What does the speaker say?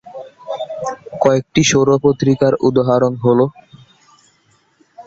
কয়েকটি সৌর পঞ্জিকার উদাহরণ হলোঃ